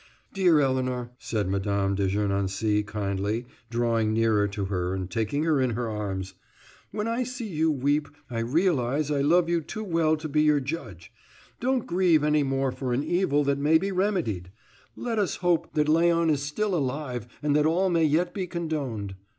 "Dear Elinor," said Mme. de Gernancé kindly, drawing nearer to her and taking her in her arms, "when I see you weep, I realize I love you too well to be your judge. Don't grieve any more for an evil that may be remedied. Let us hope that Léon is still alive, and that all may yet be condoned."